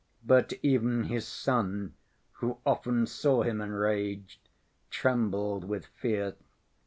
But even his son, who often saw him enraged, trembled with fear.